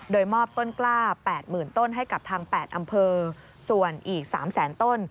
โดยมอบต้นกล้า๘๐๐๐ต้นให้กับทาง๘อำเภอส่วนอีก๓แสนต้น